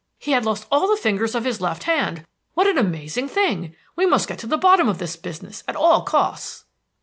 "He had lost all the fingers on his left hand. What an amazing thing! We must get to the bottom of this business at all costs."